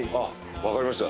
分かりました。